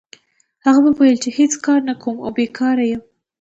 هغه وویل چې هېڅ کار نه کوم او بیکاره یم.